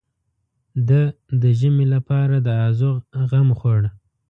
ده د ژمي لپاره د ازوغ غم خوړ.